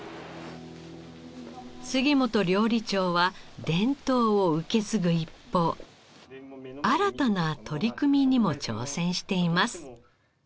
杉本料理長は伝統を受け継ぐ一方新たな取り組みにも挑戦しています。